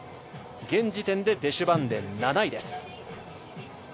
現時点でデシュバンデン７位です